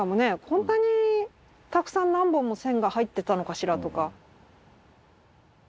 こんなにたくさん何本も線が入ってたのかしらとか。